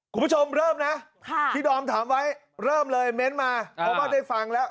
คุณผู้ชมเริ่มนะที่ดอมถามไว้เริ่มเลยเม้นต์มาเพราะว่าได้ฟังแล้ว